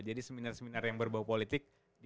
jadi seminar seminar yang berbau politik